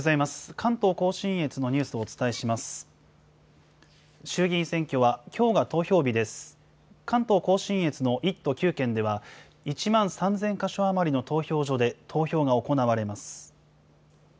関東甲信越の１都９県では、１万３０００か所余りの投票所で投票が行われます。